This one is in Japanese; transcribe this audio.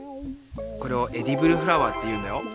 これを「エディブルフラワー」っていうんだよ。